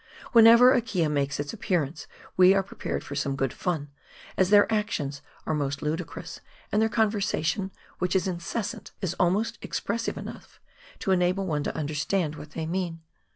Whenever a kea makes its appearance we are prepared for some good fun, as their actions are most ludicrous, and their conversa tion, which is incessant, is almost expressive enough to enable one to understand what they mean.